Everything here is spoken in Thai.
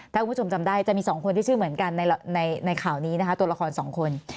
ถ้าคุณผู้ชมจำได้จะมี๒คนที่ชื่อเหมือนกันในข่าวนี้นะคะตัวละคร๒คน